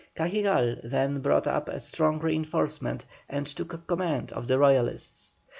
Cajigal then brought up a strong reinforcement and took command of the Royalists.